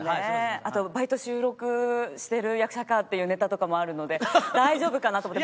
あとバイト週６してる役者かっていうネタとかもあるので大丈夫かな？と思って。